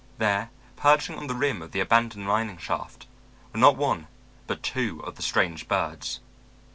There, perching on the rim of the abandoned mining shaft, were not one but two of the strange birds.